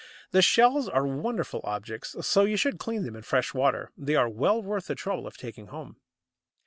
The shells are wonderful objects, so you should clean them in fresh water; they are well worth the trouble of taking home.